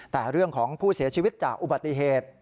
แต่เรื่องของผู้เสียชีวิตจากอุบัติเหตุ